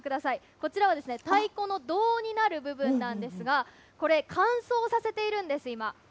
こちらは太鼓の胴になる部分なんですが、これ、乾燥させているんです、今。